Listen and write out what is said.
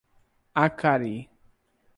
Acari